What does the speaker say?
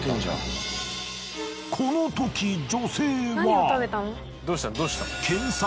このとき女性は。